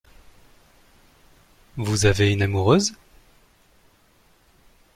Vous avez une amoureuse ?